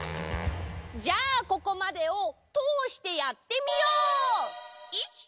じゃあここまでをとおしてやってみよう！